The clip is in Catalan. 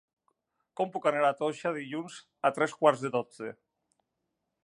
Com puc anar a Toixa dilluns a tres quarts de dotze?